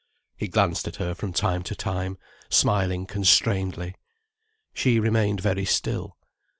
He glanced at her from time to time, smiling constrainedly. She remained very still.